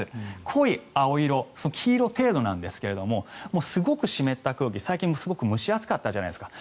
濃い青色、黄色程度なんですがすごく湿った空気、最近すごく蒸し暑かったじゃないですか。